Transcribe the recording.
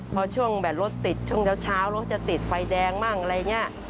พอช่วงแบบรถติดช่วงเช้ารถจะติดไฟแดงบ้างอะไรอย่างนี้